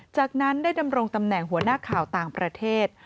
จากนั้นได้ดำรงตำแหน่งหัวหน้าข่าวต่างประเทศ